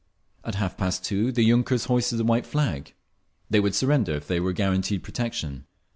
At half past two the yunkers hoisted a white flag; they would surrender if they were guaranteed protection.